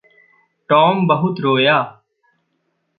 Tom बहुत रोया।